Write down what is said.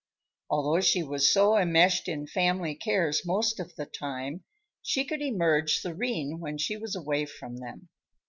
Although she was so enmeshed in family cares most of the time, she could emerge serene when she was away from them.